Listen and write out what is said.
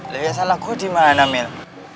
lho ya salah gue di mana mil